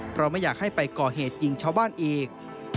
เพราะไม่อยากให้ไปก่อเหตุยิงชาวบ้านอีก